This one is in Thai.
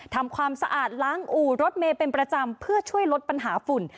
ทำความสะอาดล้างอู่รถเมย์เป็นประจำเพื่อช่วยลดปัญหาฝุ่น